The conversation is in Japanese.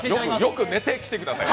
よく寝てきてくださいね。